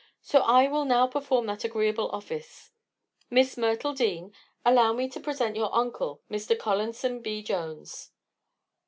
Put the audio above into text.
So I will now perform that agreeable office. Miss Myrtle Dean, allow me to present your uncle, Mr. Collanson B. Jones."